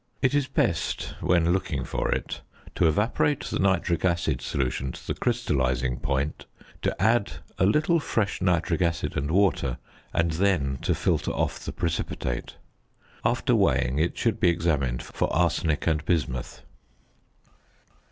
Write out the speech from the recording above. It is best (when looking for it) to evaporate the nitric acid solution to the crystallising point, to add a little fresh nitric acid and water, and then to filter off the precipitate. After weighing it should be examined for arsenic and bismuth.